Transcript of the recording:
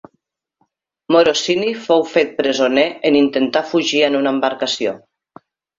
Morosini fou fet presoner en intentar fugir en una embarcació.